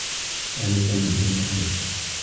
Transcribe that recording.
ذهب سامي إلى المكتب.